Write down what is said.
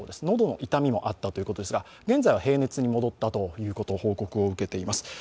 喉の痛みもあったということですが現在は平熱に戻ったという報告を受けています。